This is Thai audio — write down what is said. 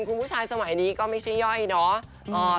คุณผู้ชายสมัยนี้ก็ไม่ใช่ย่อยเนาะ